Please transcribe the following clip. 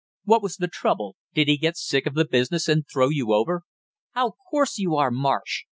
What was the trouble, did he get sick of the business and throw you over?" "How coarse you are, Marsh!"